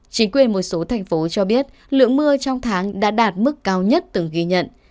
chính quyền một số thành phố cho biết lượng mưa trong tháng đã đạt mức cao nhất từng ghi nhận